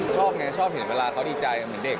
ชอบไงชอบเห็นเวลาเขาดีใจเหมือนเด็ก